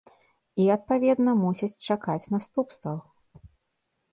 І, адпаведна, мусяць чакаць наступстваў.